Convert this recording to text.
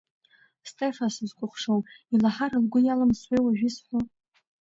Стефа сызкәыхшоу, илаҳар лгәы иалымсуеи, уажә исҳәо?